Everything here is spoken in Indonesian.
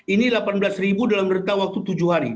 ini delapan belas dalam rata waktu tujuh hari